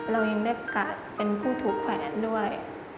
เรายังได้โอกาสเป็นผู้ถูกแขวนด้วย